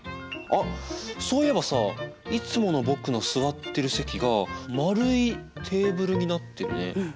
あっそういえばさいつもの僕の座ってる席が円いテーブルになってるね。